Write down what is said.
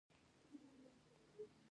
ماشوم به یوازې خپله مور پیژندل.